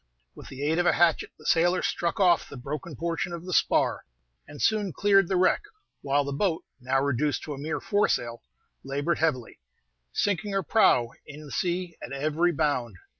With the aid of a hatchet, the sailor struck off the broken portion of the spar, and soon cleared the wreck, while the boat, now reduced to a mere foresail, labored heavily, sinking her prow in the sea at every bound.